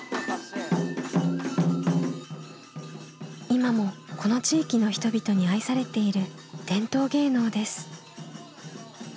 今もこの地域の人々に愛されている伝統芸能です。